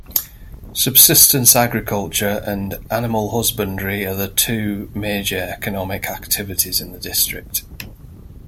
Subsistence agriculture and animal husbandry are the two major economic activities in the district.